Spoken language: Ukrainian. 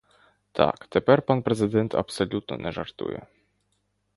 Так, тепер пан президент абсолютно не жартує.